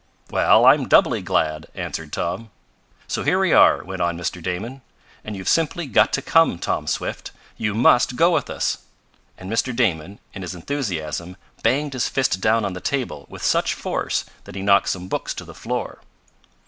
"Well, I'm doubly glad," answered Tom. "So here we are," went on Mr. Damon, "and you've simply got to come, Tom Swift. You must go with us!" and Mr. Damon, in his enthusiasm, banged his fist down on the table with such force that he knocked some books to the floor.